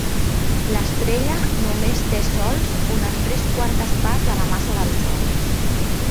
L'estrella només té sols unes tres quartes parts de la massa del sol.